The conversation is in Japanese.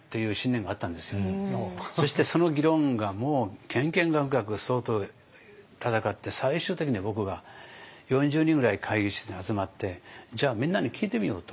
そしてその議論がもうけんけんがくがく相当戦って最終的に僕が４０人ぐらい会議室に集まってじゃあみんなに聞いてみようと。